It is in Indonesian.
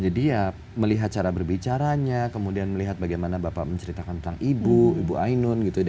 jadi ya melihat cara berbicaranya kemudian melihat bagaimana bapak menceritakan tentang ibu ibu ainun gitu